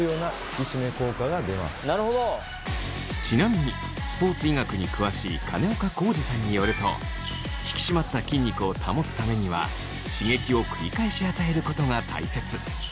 ちなみにスポーツ医学に詳しい金岡恒治さんによると引き締まった筋肉を保つためには刺激を繰り返し与えることが大切。